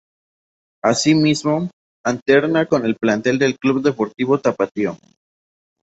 Asimismo, alterna con el plantel del Club Deportivo Tapatío.